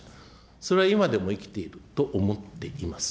それは今でも生きていると思っています。